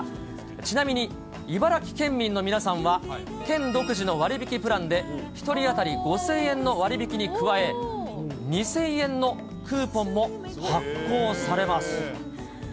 ちなみに茨城県民の皆さんは、県独自の割引プランで、１人当たり５０００円の割引に加え、２０００円のクーポンも発行されます。